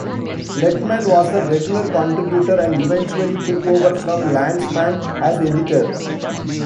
Legman was a regular contributor and eventually took over from Landesman as editor.